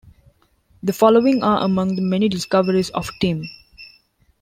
The Following are among the many discoveries of Timm.